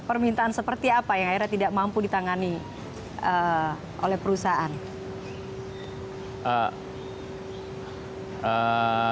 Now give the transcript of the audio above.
permintaan seperti apa yang akhirnya tidak mampu ditangani oleh perusahaan